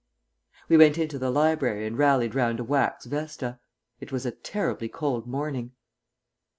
We went into the library and rallied round a wax vesta. It was a terribly cold morning.